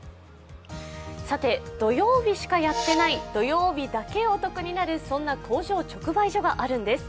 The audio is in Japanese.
土曜日しかやってない、土曜日だけお得になる、そんな工場直売所があるんです。